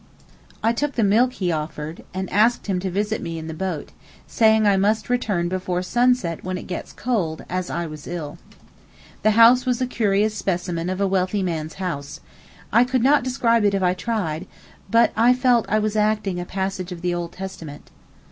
I took the milk he offered, and asked him to visit me in the boat, saying I must return before sunset when it gets cold, as I was ill. The house was a curious specimen of a wealthy man's house—I could not describe it if I tried, but I felt I was acting a passage of the Old Testament.